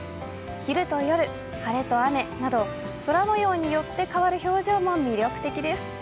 昼と夜、晴れと雨など空もようによって変わる表情も魅力的です。